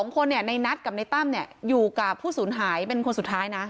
๒คนในนัทกับในตั้มอยู่กับผู้สูญหายเป็นคนสุดท้ายนะ